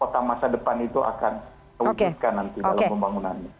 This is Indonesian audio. kota masa depan itu akan terwujudkan nanti dalam pembangunannya